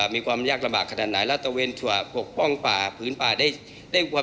มีการที่จะพยายามติดศิลป์บ่นเจ้าพระงานนะครับ